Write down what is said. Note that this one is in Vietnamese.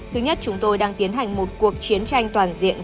thứ nhất chúng tôi đang tiến hành một cuộc chiến tranh toàn diện